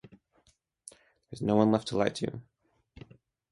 There's no one left to lie to.